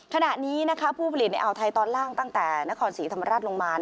ขณะนี้ผู้ผลิตในอ่าวไทยตอนล่างตั้งแต่นครศรีธรรมราชลงมา